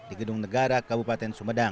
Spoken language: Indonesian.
di gedung negara kabupaten sumedang